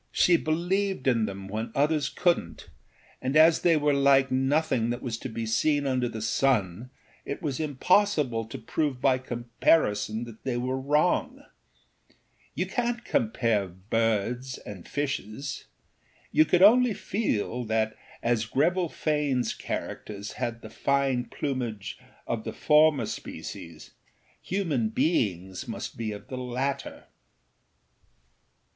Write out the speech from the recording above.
She believed in them when others couldnât, and as they were like nothing that was to be seen under the sun it was impossible to prove by comparison that they were wrong. You canât compare birds and fishes; you could only feel that, as Greville Faneâs characters had the fine plumage of the former species, human beings must be of the latter.